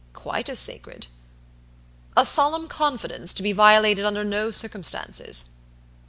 "Quite as sacred." "A solemn confidence, to be violated under no circumstances?"